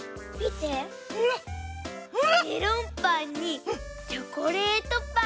メロンパンにチョコレートパン。